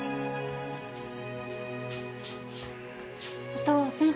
お父さん。